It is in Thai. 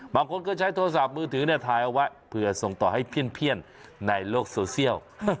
บางคนก็ใช้โทรศัพท์มือถือถ่ายเอาไว้เผื่อส่งต่อให้เพี้ยนในโลกโซเชียล